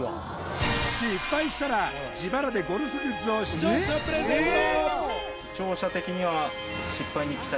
失敗したら自腹でゴルフグッズを視聴者プレゼント！